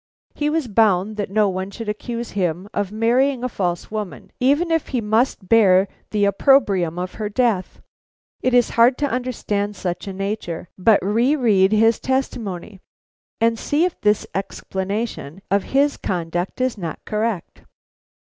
He was bound that no one should accuse him of marrying a false woman, even if he must bear the opprobrium of her death. It is hard to understand such a nature, but re read his testimony, and see if this explanation of his conduct is not correct."